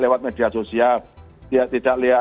lewat media sosial tidak